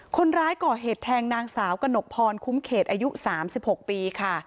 คนร้ายก่อเหตุแทงนางสาวกระหนกพรคุ้มเขตอายุ๓๖ปีค่ะ